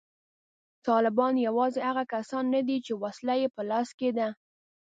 طالبان یوازې هغه کسان نه دي چې وسله یې په لاس کې ده